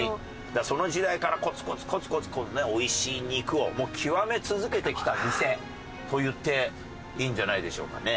だからその時代からコツコツコツコツ美味しい肉を極め続けてきた店といっていいんじゃないでしょうかね。